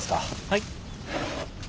はい。